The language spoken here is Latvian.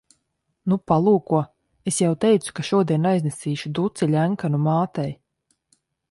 Nu, palūko. Es jau teicu, ka šodien aiznesīšu duci Ļenkanu mātei.